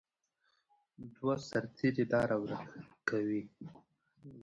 دوه سرتیري لاره ورکه کوي.